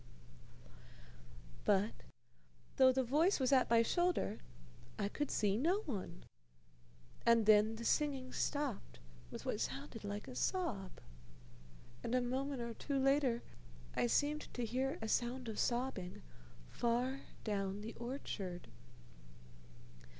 "_ But, though the voice was at my shoulder, I could see no one, and then the singing stopped with what sounded like a sob; and a moment or two later I seemed to hear a sound of sobbing far down the orchard.